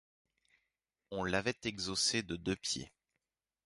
On l’avait exhaussée de deux pieds.